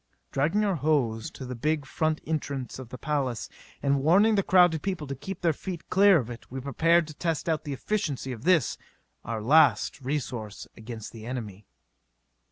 Dragging our hose to the big front entrance of the palace, and warning the crowded people to keep their feet clear of it, we prepared to test out the efficiency of this, our last resource against the enemy.